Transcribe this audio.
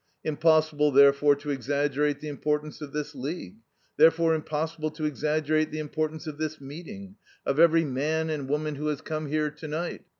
Impossible, therefore, to exaggerate the importance of this League, therefore impossible to exaggerate the importance of this meeting, of every man and woman who has come here to night.